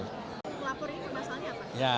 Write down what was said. pelapor ini masalahnya apa